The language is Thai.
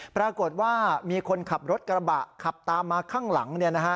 ปรากฏว่ามีคนขับรถกระบะขับตามมาข้างหลัง